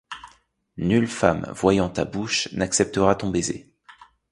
Nulle femme, voyant ta bouche, n’acceptera ton baiser.